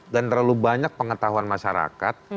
dan terlalu banyak pengetahuan masyarakat